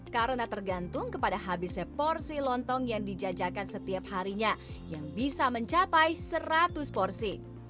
karena tergantung kepada habisnya porsi lontong yang dijajakan setiap harinya yang bisa mencapai seratus porsi